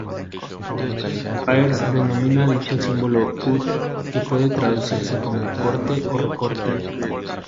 Peirce denomina dicho símbolo "cut" que puede traducirse como "corte" o "recorte".